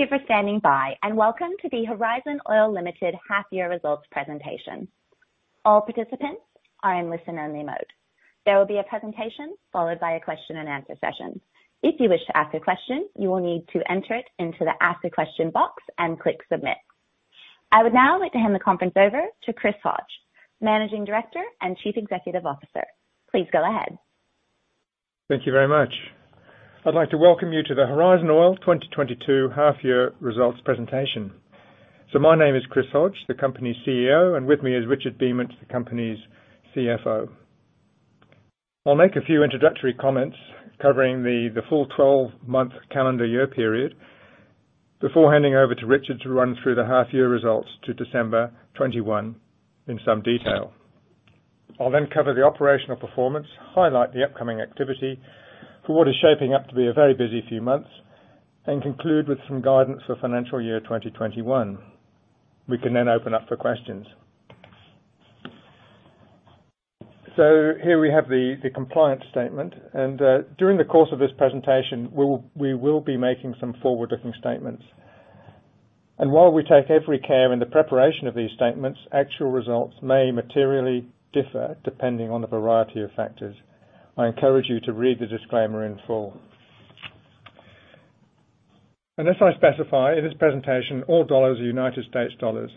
Thank you for standing by, and welcome to the Horizon Oil Limited Half-Year Results Presentation. All participants are in listen-only mode. There will be a presentation followed by a question and answer session. If you wish to ask a question, you will need to enter it into the Ask a Question box and click Submit. I would now like to hand the conference over to Chris Hodge, Managing Director and Chief Executive Officer. Please go ahead. Thank you very much. I'd like to welcome you to the Horizon Oil 2022 half-year results presentation. My name is Chris Hodge, the company's CEO, and with me is Richard Beament, the company's CFO. I'll make a few introductory comments covering the full 12-month calendar year period before handing over to Richard to run through the half year results to December 2021 in some detail. I'll then cover the operational performance, highlight the upcoming activity for what is shaping up to be a very busy few months, and conclude with some guidance for financial year 2021. We can then open up for questions. Here we have the compliance statement, and during the course of this presentation, we will be making some forward-looking statements. While we take every care in the preparation of these statements, actual results may materially differ depending on a variety of factors. I encourage you to read the disclaimer in full. Unless I specify, in this presentation, all dollars are United States dollars.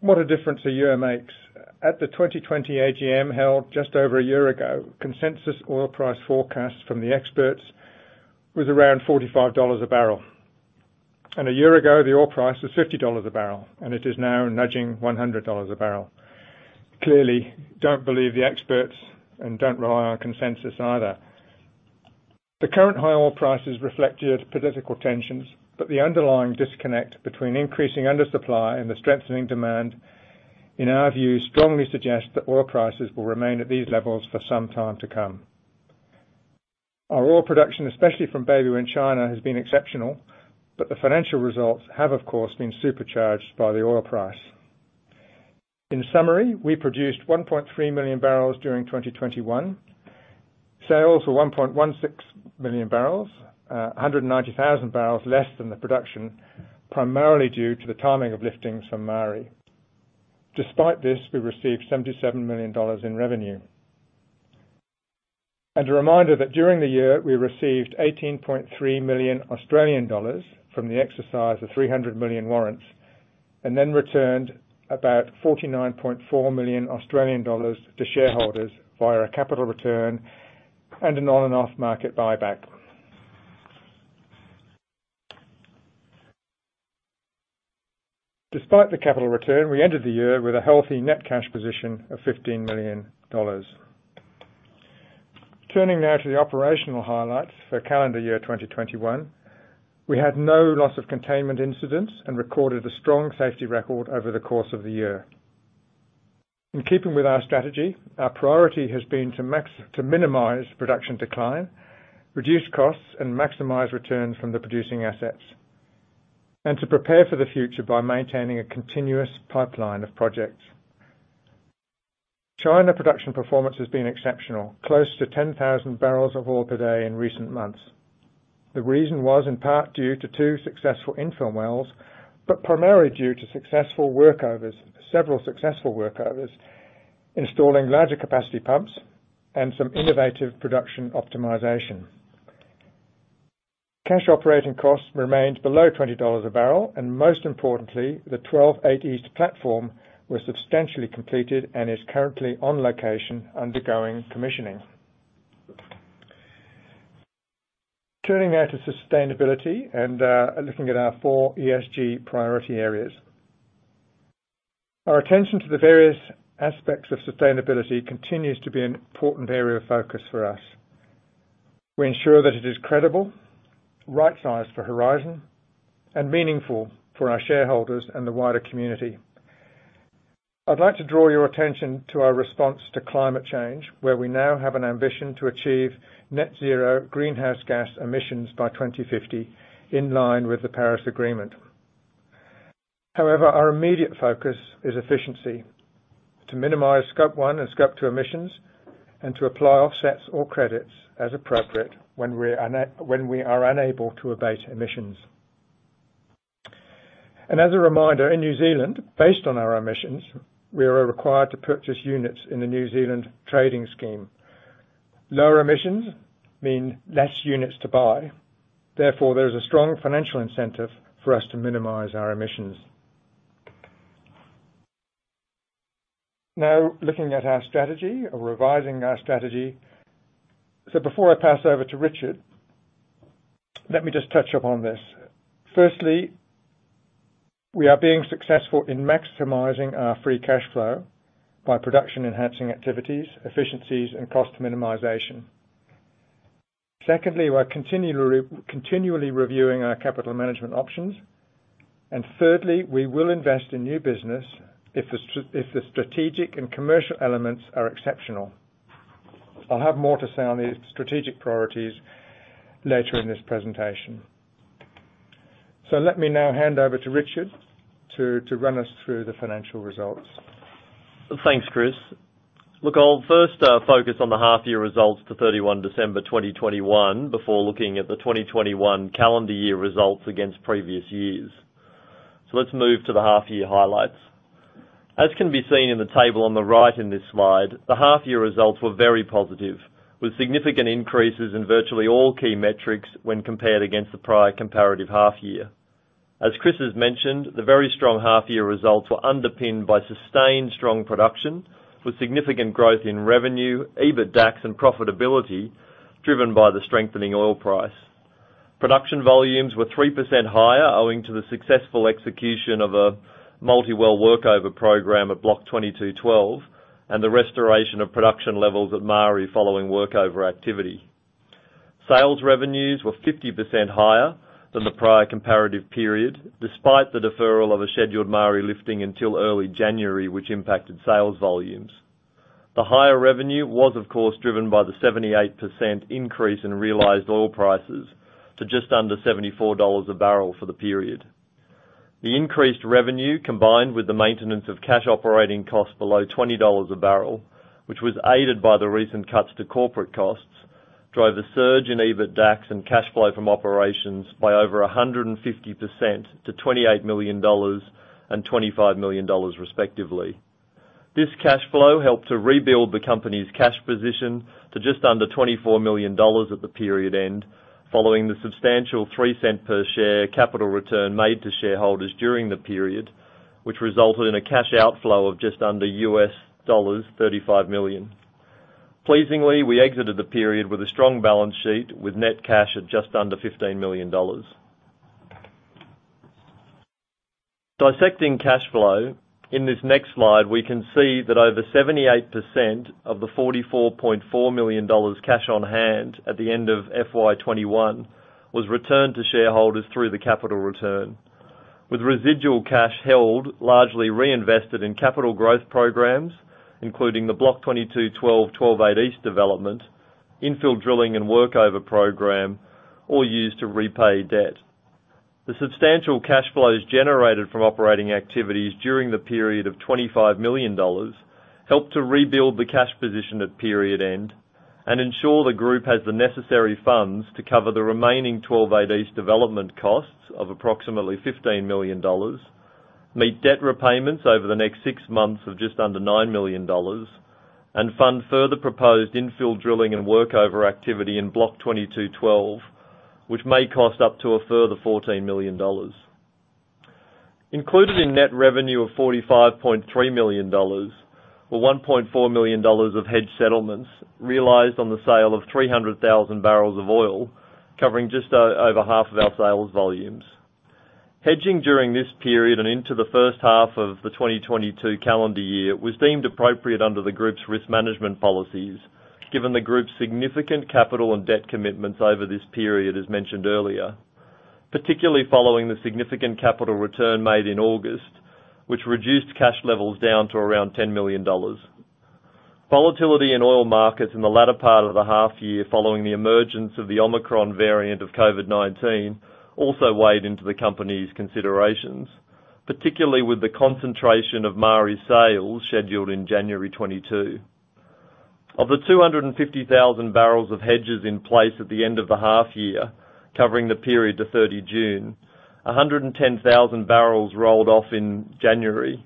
What a difference a year makes. At the 2020 AGM, held just over a year ago, consensus oil price forecast from the experts was around $45 a barrel. A year ago, the oil price was $50 a barrel, and it is now nudging $100 a barrel. Clearly, don't believe the experts and don't rely on consensus either. The current high oil prices reflect geopolitical tensions, but the underlying disconnect between increasing undersupply and the strengthening demand, in our view, strongly suggest that oil prices will remain at these levels for some time to come. Our oil production, especially from Beibu in China, has been exceptional, but the financial results have, of course, been supercharged by the oil price. In summary, we produced 1.3 million barrels during 2021. Sales were 1.16 million barrels, 190,000 barrels less than the production, priMaarily due to the timing of lifting from Maari. Despite this, we received $77 million in revenue. A reminder that during the year, we received 18.3 million Australian dollars from the exercise of 300 million warrants, and then returned about 49.4 million Australian dollars to shareholders via a capital return and an on and off market buyback. Despite the capital return, we ended the year with a healthy net cash position of $15 million. Turning now to the operational highlights for calendar year 2021. We had no loss of containment incidents and recorded a strong safety record over the course of the year. In keeping with our strategy, our priority has been to minimize production decline, reduce costs, and maximize returns from the producing assets, and to prepare for the future by maintaining a continuous pipeline of projects. China production performance has been exceptional, close to 10,000 barrels of oil per day in recent months. The reason was in part due to two successful infill wells, but primarily due to several successful workovers, installing larger capacity pumps and some innovative production optimization. Cash operating costs remained below $20 a barrel, and most importantly, the 12-8 East platform was substantially completed and is currently on location undergoing commissioning. Turning now to sustainability and looking at our four ESG priority areas. Our attention to the various aspects of sustainability continues to be an important area of focus for us. We ensure that it is credible, right-sized for Horizon, and meaningful for our shareholders and the wider community. I'd like to draw your attention to our response to climate change, where we now have an ambition to achieve net zero greenhouse gas emissions by 2050 in line with the Paris Agreement. However, our immediate focus is efficiency to minimize Scope 1 and Scope 2 emissions and to apply offsets or credits as appropriate when we are unable to abate emissions. As a reminder, in New Zealand, based on our emissions, we are required to purchase units in the New Zealand trading scheme. Lower emissions mean less units to buy. Therefore, there is a strong financial incentive for us to minimize our emissions. Now, looking at our strategy or revising our strategy. Before I pass over to Richard, let me just touch upon this. Firstly, we are being successful in maximizing our free cash flow by production-enhancing activities, efficiencies, and cost minimization. Secondly, we're continually reviewing our capital management options. Thirdly, we will invest in new business if the strategic and commercial elements are exceptional. I'll have more to say on these strategic priorities later in this presentation. Let me now hand over to Richard to run us through the financial results. Thanks, Chris. Look, I'll first focus on the half-year results to 31 December 2021, before looking at the 2021 calendar year results against previous years. Let's move to the half-year highlights. As can be seen in the table on the right in this slide, the half-year results were very positive, with significant increases in virtually all key metrics when compared against the prior comparative half year. As Chris has mentioned, the very strong half-year results were underpinned by sustained strong production, with significant growth in revenue, EBITDAX and profitability driven by the strengthening oil price. Production volumes were 3% higher owing to the successful execution of a multi-well workover program at Block 22/12, and the restoration of production levels at Maari following workover activity. Sales revenues were 50% higher than the prior comparative period, despite the deferral of a scheduled Maari lifting until early January, which impacted sales volumes. The higher revenue was, of course, driven by the 78% increase in realized oil prices to just under $74 a barrel for the period. The increased revenue, combined with the maintenance of cash operating costs below $20 a barrel, which was aided by the recent cuts to corporate costs, drove a surge in EBITDAX and cash flow from operations by over 150% to $28 million and $25 million respectively. This cash flow helped to rebuild the company's cash position to just under $24 million at the period end, following the substantial $0.03 Per share capital return made to shareholders during the period, which resulted in a cash outflow of just under $35 million. Pleasingly, we exited the period with a strong balance sheet with net cash at just under $15 million. Dissecting cash flow, in this next slide, we can see that over 78% of the $44.4 million cash on hand at the end of FY21 was returned to shareholders through the capital return. With residual cash held, largely reinvested in capital growth programs, including the Block 22/12 12-8 East development, infill drilling and workover program, or used to repay debt. The substantial cash flows generated from operating activities during the period of $25 million helped to rebuild the cash position at period end and ensure the group has the necessary funds to cover the remaining 12-8 East development costs of approximately $15 million, meet debt repayments over the next six months of just under $9 million, and fund further proposed infill drilling and workover activity in Block 22/12, which may cost up to a further $14 million. Included in net revenue of $45.3 million were $1.4 million of hedge settlements realized on the sale of 300,000 barrels of oil covering just over half of our sales volumes. Hedging during this period and into the first half of 2022 calendar year was deemed appropriate under the group's risk management policies, given the group's significant capital and debt commitments over this period, as mentioned earlier, particularly following the significant capital return made in August, which reduced cash levels down to around $10 million. Volatility in oil markets in the latter part of the half year following the emergence of the Omicron variant of COVID-19 also weighed into the company's considerations, particularly with the concentration of Maari sales scheduled in January 2022. Of the 250,000 barrels of hedges in place at the end of the half year, covering the period to June 30, 110,000 barrels rolled off in January,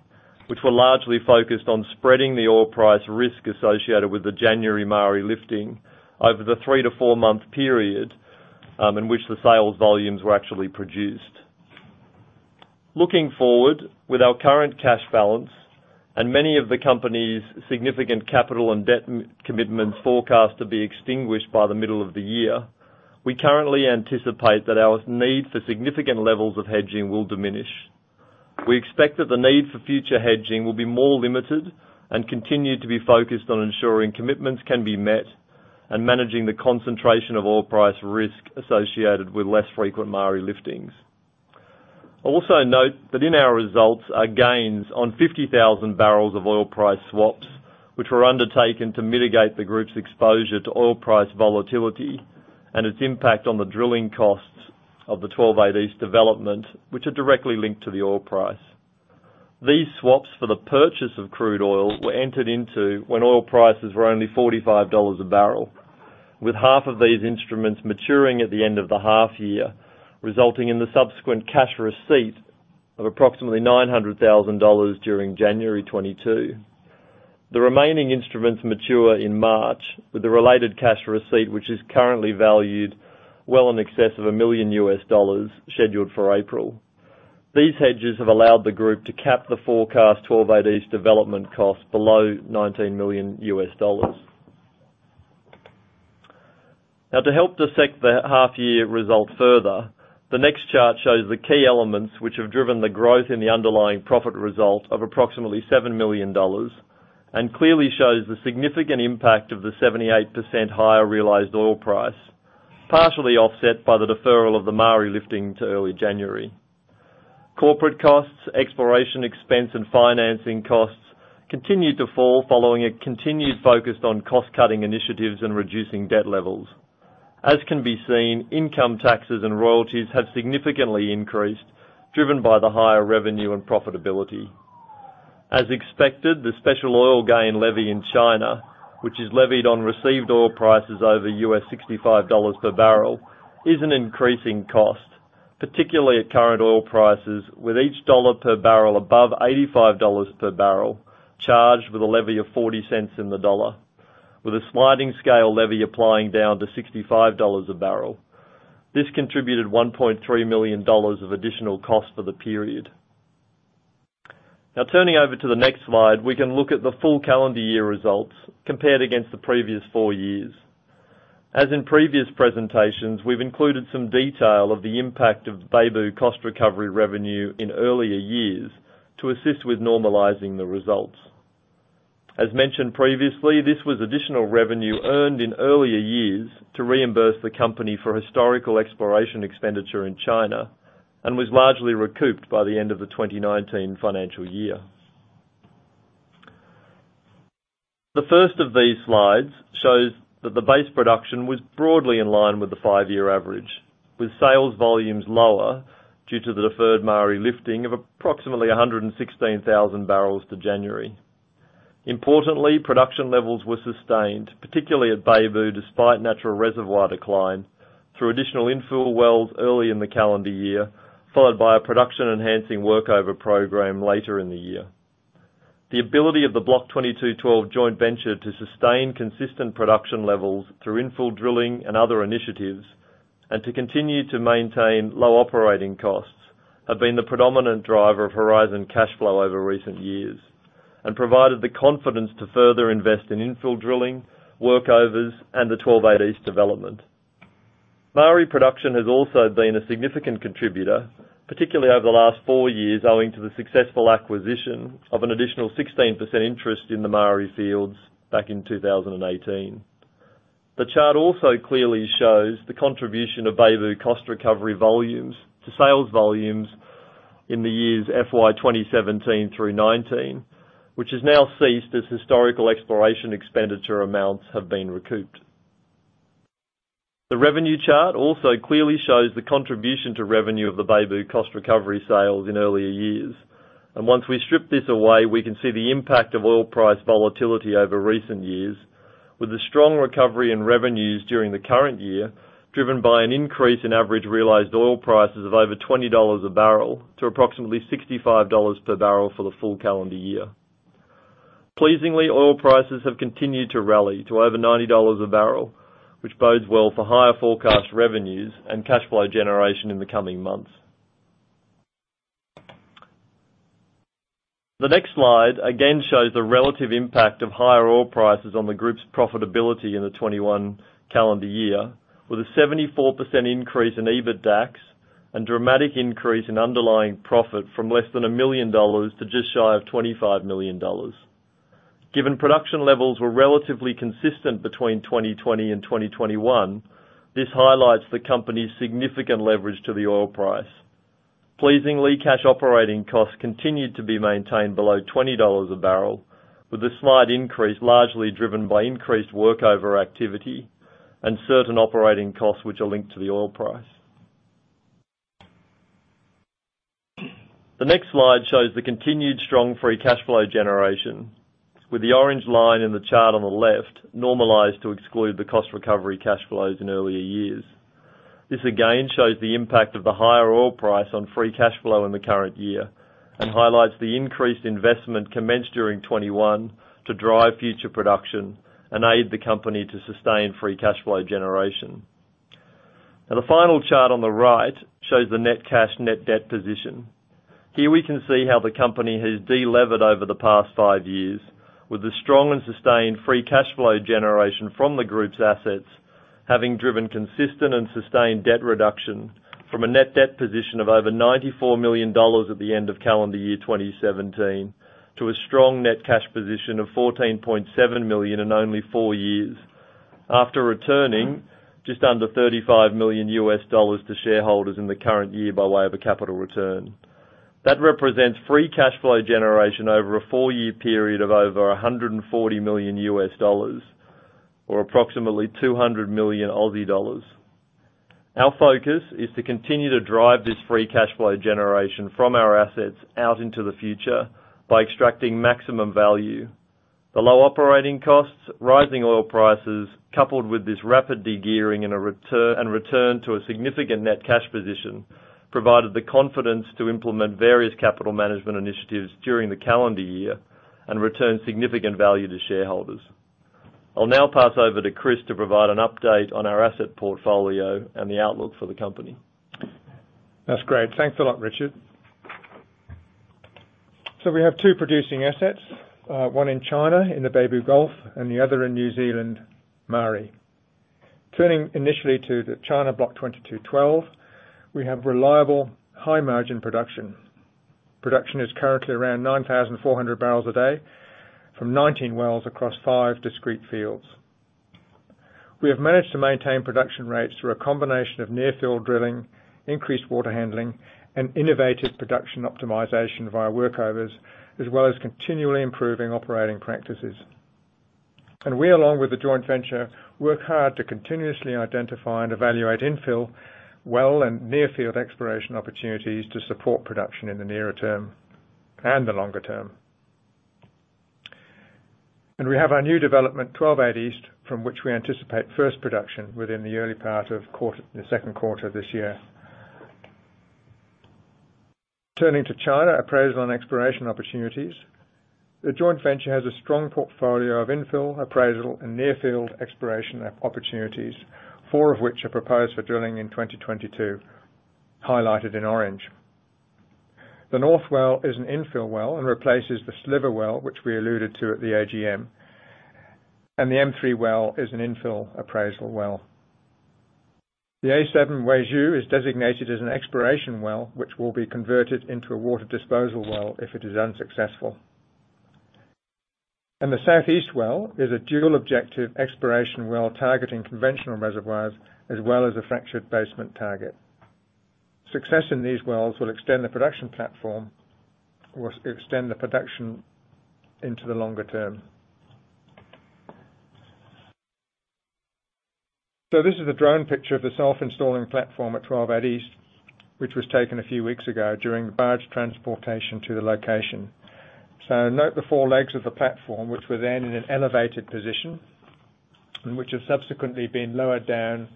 which were largely focused on spreading the oil price risk associated with the January Maari lifting over the three to four month period in which the sales volumes were actually produced. Looking forward, with our current cash balance and many of the company's significant capital and debt commitments forecast to be extinguished by the middle of the year, we currently anticipate that our need for significant levels of hedging will diminish. We expect that the need for future hedging will be more limited and continue to be focused on ensuring commitments can be met and managing the concentration of oil price risk associated with less frequent Maari liftings. I also note that in our results are gains on 50,000 barrels of oil price swaps, which were undertaken to mitigate the group's exposure to oil price volatility and its impact on the drilling costs of the 12-8 East development, which are directly linked to the oil price. These swaps for the purchase of crude oil were entered into when oil prices were only $45 a barrel, with half of these instruments maturing at the end of the half year, resulting in the subsequent cash receipt of approximately $900,000 during January 2022. The remaining instruments mature in March, with the related cash receipt, which is currently valued well in excess of $1 million scheduled for April. These hedges have allowed the group to cap the forecast 12-8 East development cost below $19 million. Now to help dissect the half year results further, the next chart shows the key elements which have driven the growth in the underlying profit result of approximately $7 million, and clearly shows the significant impact of the 78% higher realized oil price, partially offset by the deferral of the Maari lifting to early January. Corporate costs, exploration expense and financing costs continued to fall following a continued focus on cost-cutting initiatives and reducing debt levels. As can be seen, income taxes and royalties have significantly increased, driven by the higher revenue and profitability. As expected, the special oil gain levy in China, which is levied on received oil prices over $65 per barrel, is an increasing cost, particularly at current oil prices, with each dollar per barrel above $85 per barrel charged with a levy of $0.40 In the dollar, with a sliding scale levy applying down to $65 a barrel. This contributed $1.3 million of additional cost for the period. Now turning over to the next slide, we can look at the full calendar year results compared against the previous four years. As in previous presentations, we've included some detail of the impact of Beibu cost recovery revenue in earlier years to assist with normalizing the results. As mentioned previously, this was additional revenue earned in earlier years to reimburse the company for historical exploration expenditure in China and was largely recouped by the end of the 2019 financial year. The first of these slides shows that the base production was broadly in line with the five-year average, with sales volumes lower due to the deferred Maari lifting of approximately 116,000 barrels to January. Importantly, production levels were sustained, particularly at Beibu, despite natural reservoir decline through additional infill wells early in the calendar year, followed by a production enhancing workover program later in the year. The ability of the Block 22/12 joint venture to sustain consistent production levels through infill drilling and other initiatives, and to continue to maintain low operating costs, have been the predominant driver of Horizon cash flow over recent years and provided the confidence to further invest in infill drilling, workovers, and the 12-8 East development. Maari production has also been a significant contributor, particularly over the last four years, owing to the successful acquisition of an additional 16% interest in the Maari fields back in 2018. The chart also clearly shows the contribution of Beibu cost recovery volumes to sales volumes in the years FY17 through FY19, which has now ceased as historical exploration expenditure amounts have been recouped. The revenue chart also clearly shows the contribution to revenue of the Beibu cost recovery sales in earlier years. Once we strip this away, we can see the impact of oil price volatility over recent years with the strong recovery in revenues during the current year, driven by an increase in average realized oil prices of over $20 a barrel to approximately $65 per barrel for the full calendar year. Pleasingly, oil prices have continued to rally to over $90 a barrel, which bodes well for higher forecast revenues and cash flow generation in the coming months. The next slide again shows the relative impact of higher oil prices on the group's profitability in the 2021 calendar year, with a 74% increase in EBITDAX and dramatic increase in underlying profit from less than $1 million to just shy of $25 million. Given production levels were relatively consistent between 2020 and 2021, this highlights the company's significant leverage to the oil price. Pleasingly, cash operating costs continued to be maintained below $20 a barrel, with a slight increase largely driven by increased workover activity and certain operating costs which are linked to the oil price. The next slide shows the continued strong free cash flow generation, with the orange line in the chart on the left normalized to exclude the cost recovery cash flows in earlier years. This again shows the impact of the higher oil price on free cash flow in the current year and highlights the increased investment commenced during 2021 to drive future production and aid the company to sustain free cash flow generation. Now the final chart on the right shows the net cash, net debt position. Here we can see how the company has delevered over the past five years with the strong and sustained free cash flow generation from the group's assets having driven consistent and sustained debt reduction from a net debt position of over $94 million at the end of calendar year 2017 to a strong net cash position of $14.7 million in only four years, after returning just under $35 million to shareholders in the current year by way of a capital return. That represents free cash flow generation over a four-year period of over $140 million or approximately 200 million Aussie dollars. Our focus is to continue to drive this free cash flow generation from our assets out into the future by extracting maximum value. The low operating costs, rising oil prices, coupled with this rapid de-gearing and a return to a significant net cash position, provided the confidence to implement various capital management initiatives during the calendar year and return significant value to shareholders. I'll now pass over to Chris to provide an update on our asset portfolio and the outlook for the company. That's great. Thanks a lot, Richard. We have two producing assets. One in China, in the Beibu Gulf, and the other in New Zealand, Maari. Turning initially to the China Block 22/12, we have reliable high-margin production. Production is currently around 9,400 barrels a day from 19 wells across five discrete fields. We have managed to maintain production rates through a combination of near-field drilling, increased water handling, and innovative production optimization via workovers, as well as continually improving operating practices. We, along with the joint venture, work hard to continuously identify and evaluate infill, well and near field exploration opportunities to support production in the nearer term and the longer term. We have our new development, 12-8 East, from which we anticipate first production within the early part of the second quarter this year. Turning to China appraisal and exploration opportunities. The joint venture has a strong portfolio of infill, appraisal, and near field exploration opportunities, four of which are proposed for drilling in 2022, highlighted in orange. The North well is an infill well and replaces the Silver well, which we alluded to at the AGM. The M3 well is an infill appraisal well. The A7 Weizhou is designated as an exploration well, which will be converted into a water disposal well if it is unsuccessful. The Southeast well is a dual objective exploration well, targeting conventional reservoirs as well as a fractured basement target. Success in these wells will extend the production platform or extend the production into the longer term. This is a drone picture of the self-installing platform at 12-8 East, which was taken a few weeks ago during the barge transportation to the location. Note the four legs of the platform, which were then in an elevated position and which have subsequently been lowered down,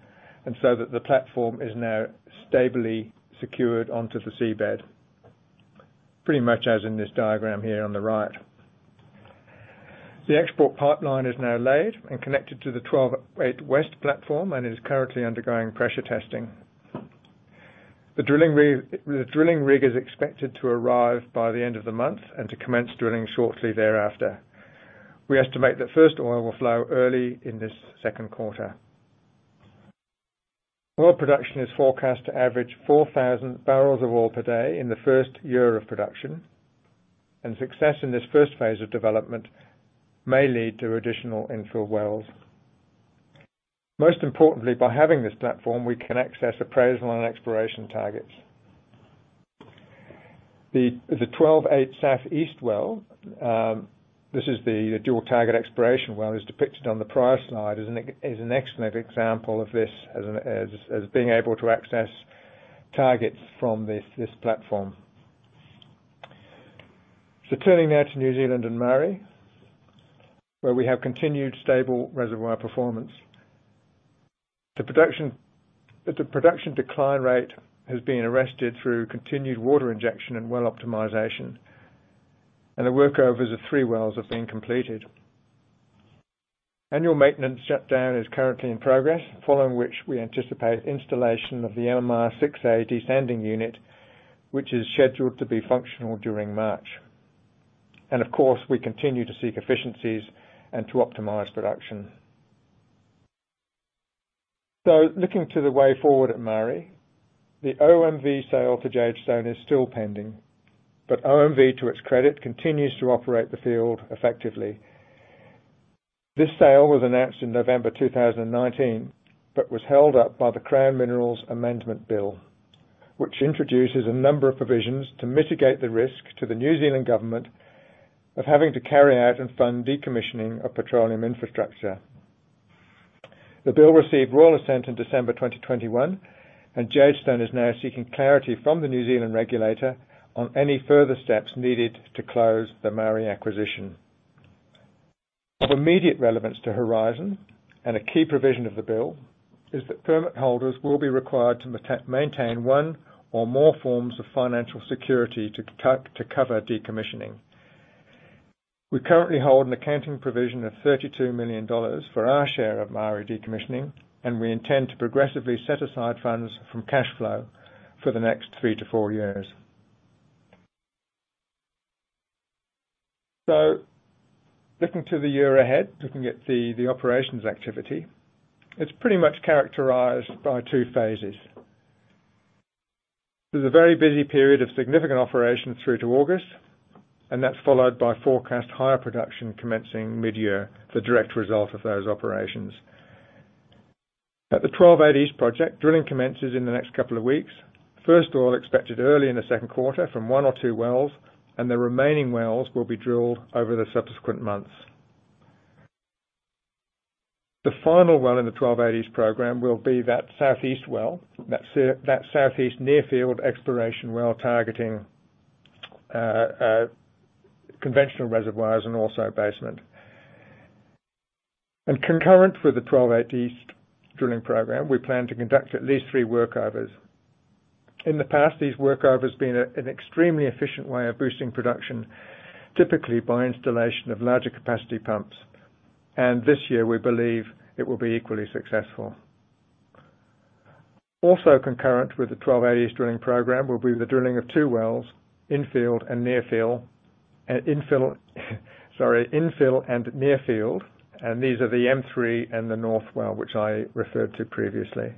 and so that the platform is now stably secured onto the seabed, pretty much as in this diagram here on the right. The export pipeline is now laid and connected to the 12-8 West platform and is currently undergoing pressure testing. The drilling rig is expected to arrive by the end of the month and to commence drilling shortly thereafter. We estimate that first oil will flow early in this second quarter. Oil production is forecast to average 4,000 barrels of oil per day in the first year of production, and success in this first phase of development may lead to additional infill wells. Most importantly, by having this platform, we can access appraisal and exploration targets. The 12-8 East well, this is the dual target exploration well, as depicted on the prior slide, is an excellent example of this being able to access targets from this platform. Turning now to New Zealand and Maari, where we have continued stable reservoir performance. The production decline rate has been arrested through continued water injection and well optimization, and the workovers of three wells have been completed. Annual maintenance shutdown is currently in progress, following which we anticipate installation of the Elmar 6A desanding unit, which is scheduled to be functional during March. Of course, we continue to seek efficiencies and to optimize production. Looking to the way forward at Maari, the OMV sale to Jadestone is still pending, but OMV, to its credit, continues to operate the field effectively. This sale was announced in November 2019, but was held up by the Crown Minerals Amendment Bill, which introduces a number of provisions to mitigate the risk to the New Zealand government of having to carry out and fund decommissioning of petroleum infrastructure. The bill received Royal Assent in December 2021, and Jadestone is now seeking clarity from the New Zealand regulator on any further steps needed to close the Maari acquisition. Of immediate relevance to Horizon, and a key provision of the bill, is that permit holders will be required to maintain one or more forms of financial security to cover decommissioning. We currently hold an accounting provision of $32 million for our share of Maari decommissioning, and we intend to progressively set aside funds from cash flow for the next three to four years. Looking to the year ahead, looking at the operations activity, it's pretty much characterized by two phases. There's a very busy period of significant operations through to August, and that's followed by forecast higher production commencing mid-year, the direct result of those operations. At the 12-8 East project, drilling commences in the next couple of weeks. First oil expected early in the second quarter from one or two wells, and the remaining wells will be drilled over the subsequent months. The final well in the 12-8 East program will be that Southeast well, that Southeast near field exploration well targeting conventional reservoirs and also basement. Concurrent with the 12-8 East drilling program, we plan to conduct at least three workovers. In the past, these workovers being an extremely efficient way of boosting production, typically by installation of larger capacity pumps. This year, we believe it will be equally successful. Also concurrent with the 12-8 East drilling program will be the drilling of two wells, infill and near field. These are the M3 and the North well, which I referred to previously.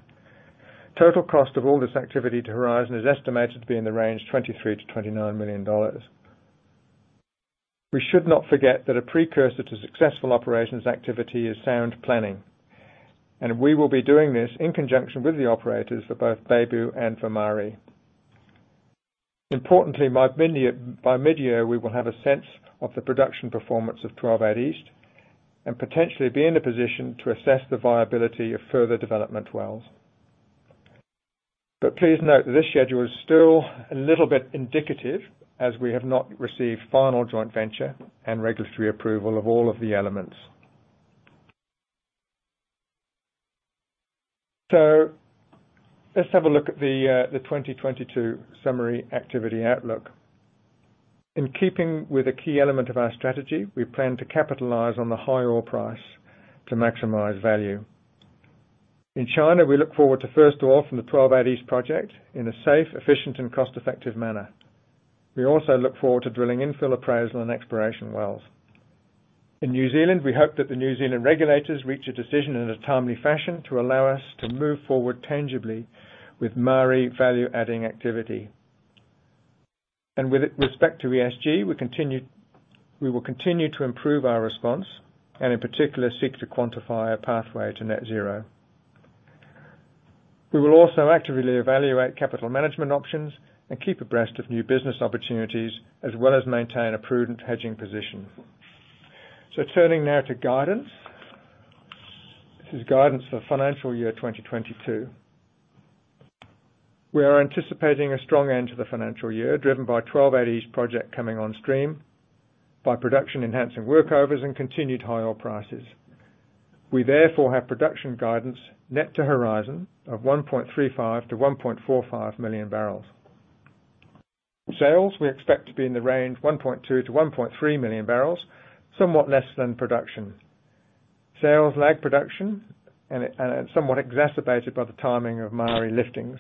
Total cost of all this activity to Horizon is estimated to be in the range $23 million-$29 million. We should not forget that a precursor to successful operations activity is sound planning, and we will be doing this in conjunction with the operators for both Beibu and for Maari. Importantly, by mid-year, we will have a sense of the production performance of 12-8 East and potentially be in a position to assess the viability of further development wells. Please note that this schedule is still a little bit indicative as we have not received final joint venture and regulatory approval of all of the elements. Let's have a look at the 2022 summary activity outlook. In keeping with a key element of our strategy, we plan to capitalize on the high oil price to maximize value. In China, we look forward to first oil from the 12-8 East project in a safe, efficient and cost-effective manner. We also look forward to drilling infill appraisal and exploration wells. In New Zealand, we hope that the New Zealand regulators reach a decision in a timely fashion to allow us to move forward tangibly with Maari value-adding activity. With respect to ESG, we will continue to improve our response and in particular seek to quantify a pathway to net zero. We will also actively evaluate capital management options and keep abreast of new business opportunities as well as maintain a prudent hedging position. Turning now to guidance. This is guidance for financial year 2022. We are anticipating a strong end to the financial year, driven by 12-8 East project coming on stream by production enhancing workovers and continued high oil prices. We therefore have production guidance net to Horizon of 1.35-1.45 million barrels. Sales, we expect to be in the range 1.2-1.3 million barrels, somewhat less than production. Sales lag production and somewhat exacerbated by the timing of Maari liftings,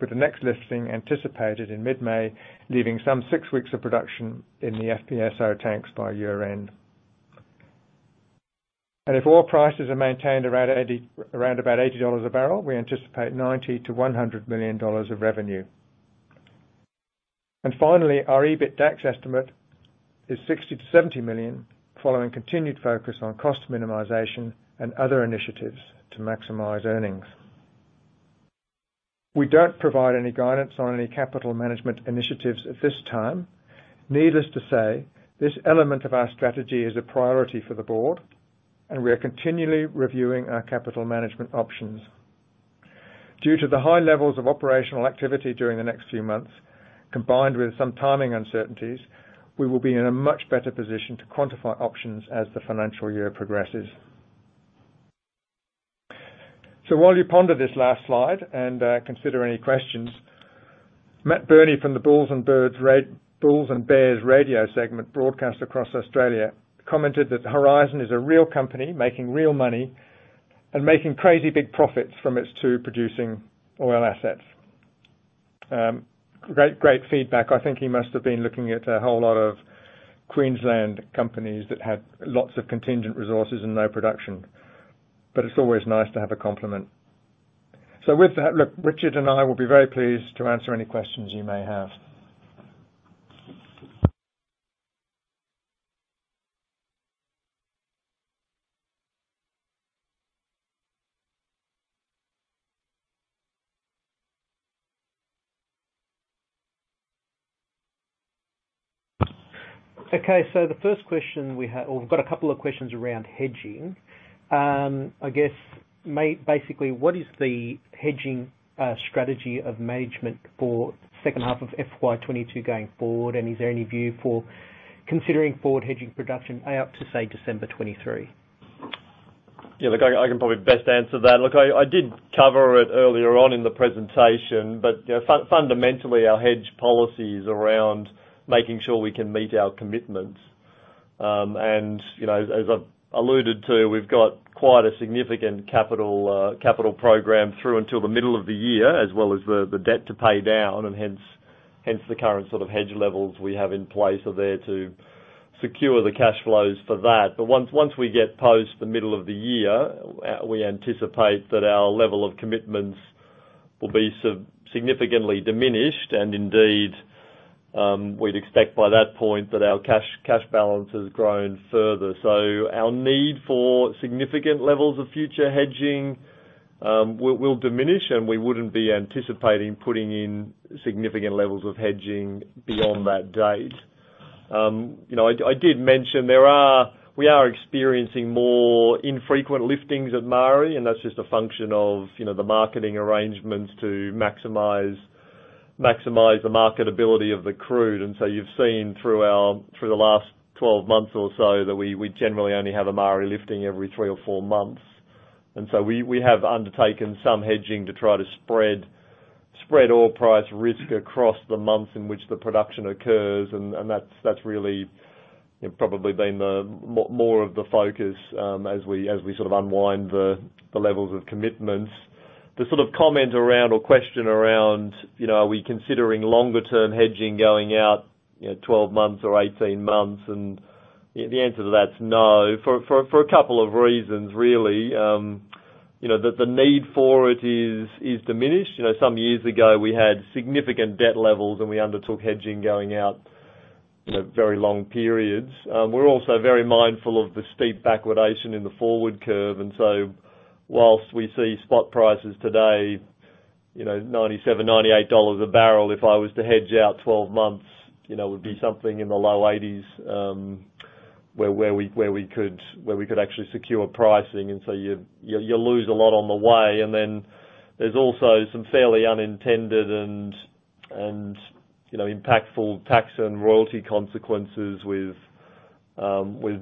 with the next lifting anticipated in mid-May, leaving some six weeks of production in the FPSO tanks by year-end. If oil prices are maintained around about $80 a barrel, we anticipate $90 million-$100 million of revenue. Finally, our EBITDAX estimate is $60 million-$70 million, following continued focus on cost minimization and other initiatives to maximize earnings. We don't provide any guidance on any capital management initiatives at this time. Needless to say, this element of our strategy is a priority for the board, and we are continually reviewing our capital management options. Due to the high levels of operational activity during the next few months, combined with some timing uncertainties, we will be in a much better position to quantify options as the financial year progresses. While you ponder this last slide and consider any questions, Matt Birney from the Bulls N' Bears radio segment broadcast across Australia commented that Horizon is a real company making real money and making crazy big profits from its two producing oil assets. Great feedback. I think he must have been looking at a whole lot of Queensland companies that had lots of contingent resources and no production. It's always nice to have a compliment. With that, look, Richard and I will be very pleased to answer any questions you may have. The first question we have. Or we've got a couple of questions around hedging. I guess basically, what is the hedging strategy of management for second half of FY22 going forward? And is there any view for considering forward hedging production out to, say, December 2023? Yeah, look, I can probably best answer that. Look, I did cover it earlier on in the presentation, but you know, fundamentally, our hedge policy is around making sure we can meet our commitments. You know, as I've alluded to, we've got quite a significant capital program through until the middle of the year, as well as the debt to pay down and hence the current sort of hedge levels we have in place are there to secure the cash flows for that. Once we get post the middle of the year, we anticipate that our level of commitments will be significantly diminished. Indeed, we'd expect by that point that our cash balance has grown further. Our need for significant levels of future hedging will diminish, and we wouldn't be anticipating putting in significant levels of hedging beyond that date. You know, I did mention we are experiencing more infrequent liftings at Maari, and that's just a function of you know, the marketing arrangements to maximize the marketability of the crude. You've seen through the last 12 months or so that we generally only have a Maari lifting every three or four months. We have undertaken some hedging to try to spread oil price risk across the months in which the production occurs. That's really you know, probably been the more of the focus as we sort of unwind the levels of commitments. The sort of comment around or question around, you know, are we considering longer term hedging going out, you know, 12 months or 18 months? The answer to that is no for a couple of reasons really. You know, the need for it is diminished. You know, some years ago we had significant debt levels, and we undertook hedging going out, you know, very long periods. We're also very mindful of the steep backwardation in the forward curve. While we see spot prices today, you know, $97-$98 a barrel, if I was to hedge out 12 months, you know, it would be something in the low 80s, where we could actually secure pricing. You lose a lot on the way. Then there's also some fairly unintended and, you know, impactful tax and royalty consequences with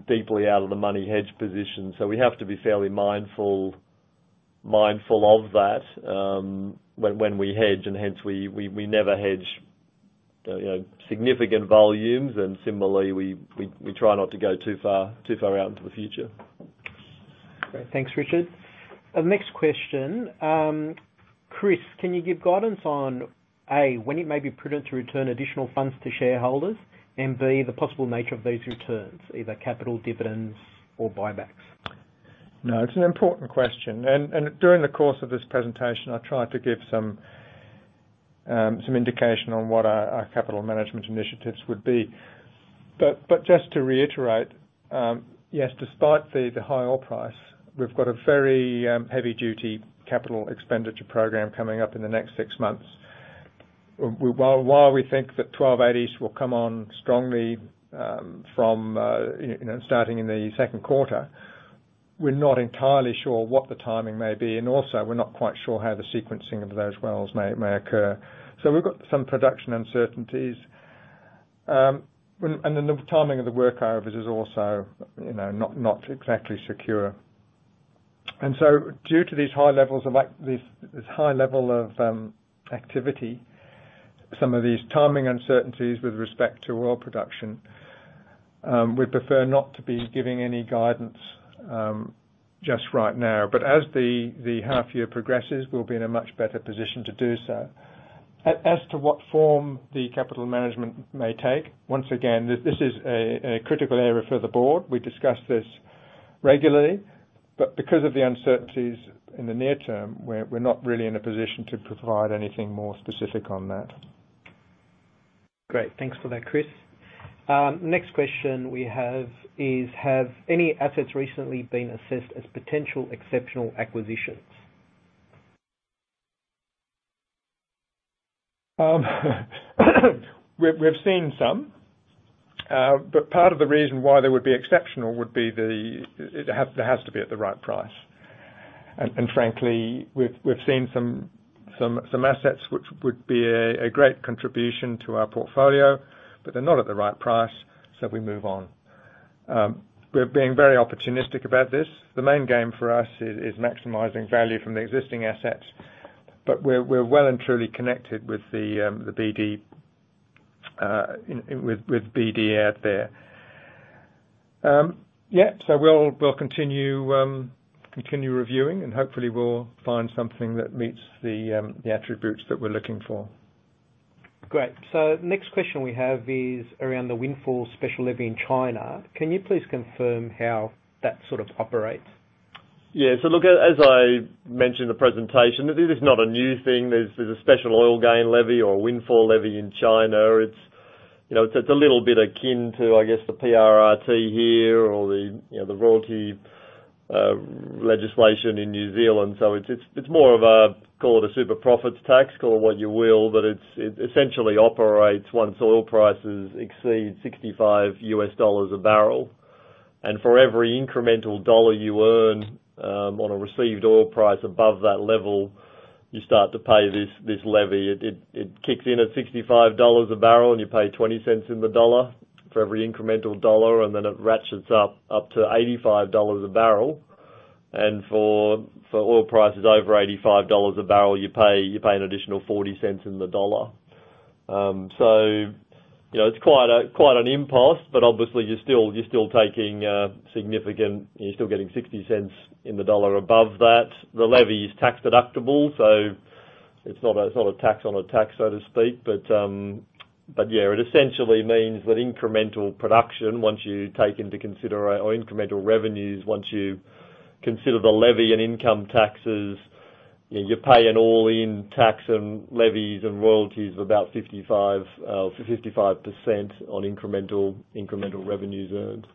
deeply out of the money hedge position. We have to be fairly mindful of that when we hedge, and hence we never hedge, you know, significant volumes. Similarly, we try not to go too far out into the future. Great. Thanks, Richard. The next question. Chris, can you give guidance on, A, when it may be prudent to return additional funds to shareholders and, B, the possible nature of these returns, either capital dividends or buybacks? No, it's an important question. During the course of this presentation, I tried to give some indication on what our capital management initiatives would be. Just to reiterate, yes, despite the high oil price, we've got a very heavy duty capital expenditure program coming up in the next six months. While we think that 12-8's will come on strongly, from you know starting in the second quarter, we're not entirely sure what the timing may be, and also we're not quite sure how the sequencing of those wells may occur. We've got some production uncertainties. The timing of the workover is also you know not exactly secure. Due to these high levels of activity, some of these timing uncertainties with respect to oil production, we prefer not to be giving any guidance just right now. As the half year progresses, we'll be in a much better position to do so. As to what form the capital management may take, once again, this is a critical area for the board. We discuss this regularly, but because of the uncertainties in the near term, we're not really in a position to provide anything more specific on that. Great. Thanks for that, Chris. Next question we have is, have any assets recently been assessed as potential exceptional acquisitions? We've seen some, but part of the reason why they would be exceptional would be they, it has to be at the right price. Frankly, we've seen some assets which would be a great contribution to our portfolio, but they're not at the right price, so we move on. We're being very opportunistic about this. The main game for us is maximizing value from the existing assets, but we're well and truly connected with the BD out there. Yeah, we'll continue reviewing, and hopefully we'll find something that meets the attributes that we're looking for. Great. Next question we have is around the windfall special levy in China. Can you please confirm how that sort of operates? Yeah. Look, as I mentioned in the presentation, this is not a new thing. There's a special oil gain levy or windfall levy in China. It's, you know, a little bit akin to, I guess, the PRRT here or the, you know, the royalty legislation in New Zealand. It's more of a, call it a super profits tax, call it what you will, but it essentially operates once oil prices exceed $65 a barrel. For every incremental dollar you earn, on a received oil price above that level, you start to pay this levy. It kicks in at $65 a barrel, and you pay $0.20 In the dollar for every incremental dollar, and then it ratchets up to $85 a barrel. For oil prices over $85 a barrel, you pay an additional $0.40 In the dollar. You know, it's quite an impasse, but obviously you're still taking significant. You're still getting $0.60 in the dollar above that. The levy is tax deductible, so it's not a tax on a tax, so to speak. Yeah, it essentially means that incremental production, once you take into consider- or incremental revenues, once you consider the levy and income taxes, you're paying all in tax and levies and royalties of about 55% on incremental revenues earned.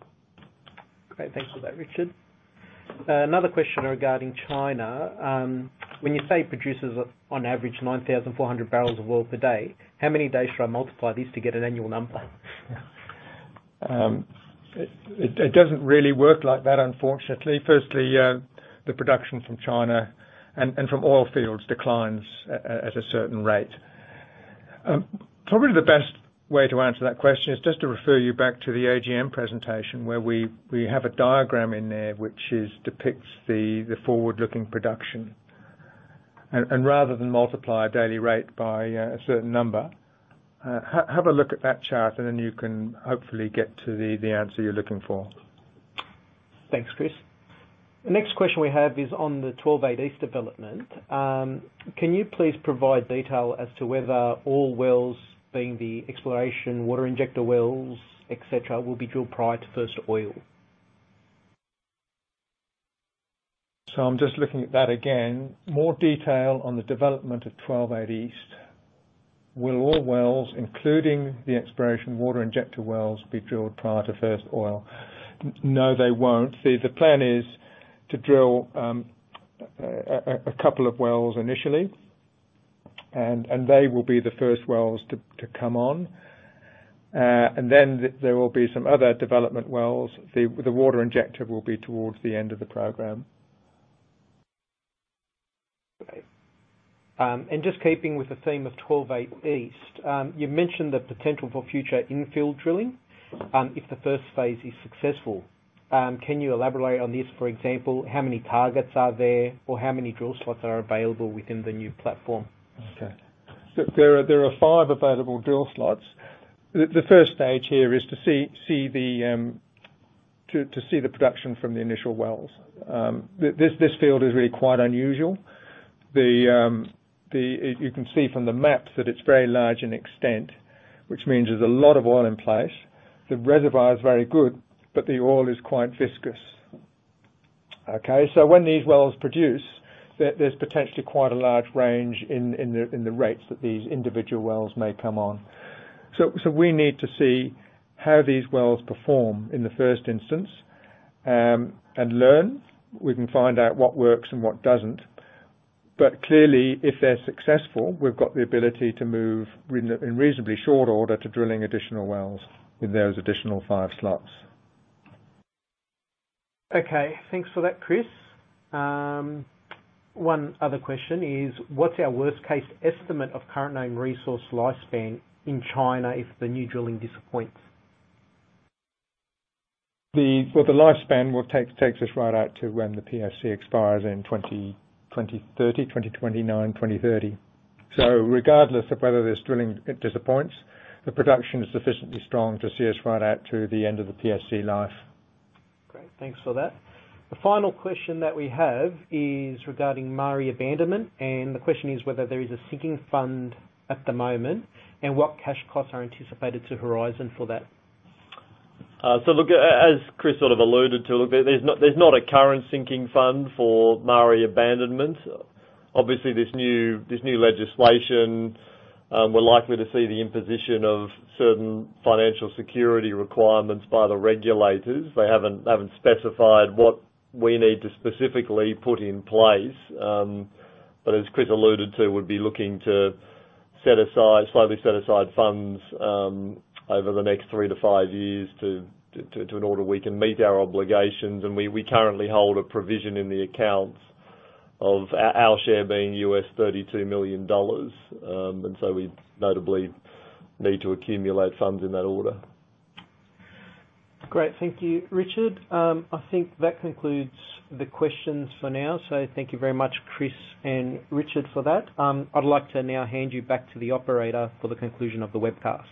Great. Thanks for that, Richard. Another question regarding China. When you say producers are on average 9,400 barrels of oil per day, how many days should I multiply this to get an annual number? It doesn't really work like that, unfortunately. Firstly, the production from China and from oil fields declines as a certain rate. Probably the best way to answer that question is just to refer you back to the AGM presentation where we have a diagram in there which depicts the forward-looking production. Rather than multiply a daily rate by a certain number, have a look at that chart, and then you can hopefully get to the answer you're looking for. Thanks, Chris. The next question we have is on the 12-8 East development. Can you please provide detail as to whether all wells, being the exploration water injector wells, et cetera, will be drilled prior to first oil? I'm just looking at that again. More detail on the development of 12-8 East. Will all wells, including the exploration water injector wells, be drilled prior to first oil? No, they won't. See, the plan is to drill a couple of wells initially. They will be the first wells to come on. Then there will be some other development wells. The water injector will be towards the end of the program. Okay. Just keeping with the theme of 12-8 East, you've mentioned the potential for future infill drilling, if the first phase is successful. Can you elaborate on this? For example, how many targets are there or how many drill slots are available within the new platform? Okay. There are five available drill slots. The first stage here is to see the production from the initial wells. This field is really quite unusual. You can see from the maps that it's very large in extent, which means there's a lot of oil in place. The reservoir is very good, but the oil is quite viscous. Okay? So when these wells produce, there's potentially quite a large range in the rates that these individual wells may come on. So we need to see how these wells perform in the first instance and learn. We can find out what works and what doesn't. But clearly, if they're successful, we've got the ability to move in reasonably short order to drilling additional wells in those additional five slots. Okay. Thanks for that, Chris. One other question is: what's our worst case estimate of current known resource lifespan in China if the new drilling disappoints? Well, the lifespan takes us right out to when the PSC expires in 2029-2030. Regardless of whether this drilling disappoints, the production is sufficiently strong to see us right out to the end of the PSC life. Great. Thanks for that. The final question that we have is regarding Maari abandonment, and the question is whether there is a sinking fund at the moment, and what cash costs are anticipated to Horizon for that. Look, as Chris sort of alluded to, look, there's not a current sinking fund for Maari abandonment. Obviously this new legislation, we're likely to see the imposition of certain financial security requirements by the regulators. They haven't specified what we need to specifically put in place, but as Chris alluded to, we'll be looking to slowly set aside funds over the next three to five years to in order we can meet our obligations. We currently hold a provision in the accounts of our share being $32 million. We notably need to accumulate funds in that order. Great. Thank you, Richard. I think that concludes the questions for now. Thank you very much, Chris and Richard for that. I'd like to now hand you back to the operator for the conclusion of the webcast.